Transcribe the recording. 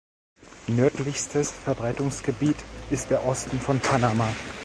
Nördlichstes Verbreitungsgebiet ist der Osten von Panama.